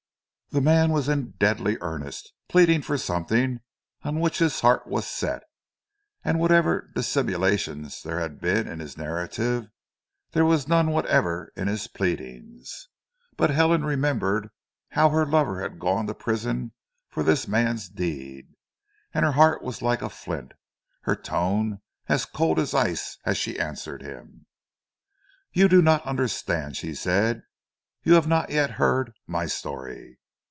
The man was in deadly earnest, pleading for something on which his heart was set, and whatever dissimulation there had been in his narrative, there was none whatever in his pleadings. But Helen remembered how her lover had gone to prison for this man's deed, and her heart was like a flint, her tone as cold as ice as she answered him. "You do not understand," she said, "you have not yet heard my story.